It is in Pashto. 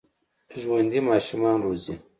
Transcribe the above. ژوندي ماشومان روزي